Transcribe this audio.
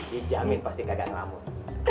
dijamin pasti kagak ngelamun